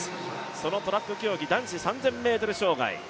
そのトラック競技、男子３０００ｍ障害。